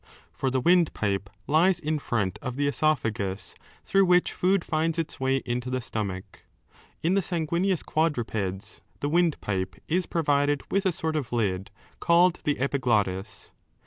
For the windpipe lies in front of the oesophagus, through which food finds its way into the stomach. In the 4 sanguineous quadrupeds the windpipe is provided with a sort of lid called the epiglottis.